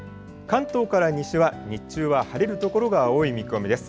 関東から西は日中は晴れる所が多い見込みです。